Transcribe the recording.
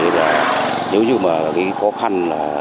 nếu như khó khăn